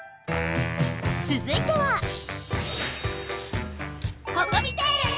つづいてはココミテール！